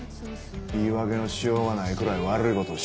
言い訳のしようがないくらい悪い事をした。